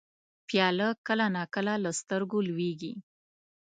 پیاله کله نا کله له سترګو لوېږي.